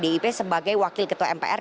dan memilih ahmad basarah wakil ketua mpr